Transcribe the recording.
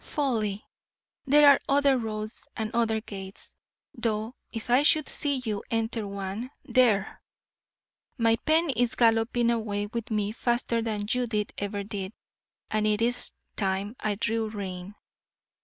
Folly! there are other roads and other gates, though if I should see you enter one There! my pen is galloping away with me faster than Judith ever did, and it is time I drew rein.